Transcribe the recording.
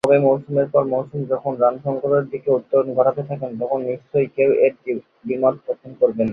তবে মৌসুমের পর মৌসুম যখন রান সংগ্রহের দিকে উত্তরণ ঘটাতে থাকেন তখন নিশ্চয়ই কেউ এতে দ্বিমত পোষণ করবেন না।